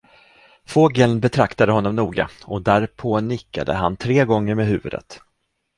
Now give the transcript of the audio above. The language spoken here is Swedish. Fågeln betraktade honom noga, och därpå nickade han tre gånger med huvudet.